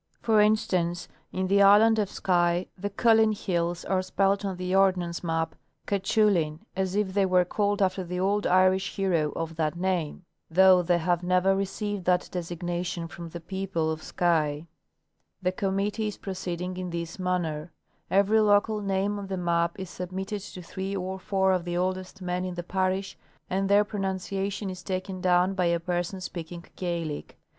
For instance, in the island of Skye the Culin hills are spelt on the ordnance map Cuchulin, as if they were called after the old Irish hero of that name, though they have never received that designation from the people 104 International Geogra'phic Conferen.ce. of Skye. The committee is proceeding in this manner : Every local name on the map is submitted to three or four of the oldest men in the parish, and their pronunciation is taken down by a person speaking Gaelic.